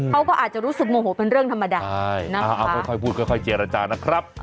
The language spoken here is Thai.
เขาก็อาจจะรู้สึกโมโหเป็นเรื่องธรรมดาเอาค่อยพูดค่อยเจรจานะครับ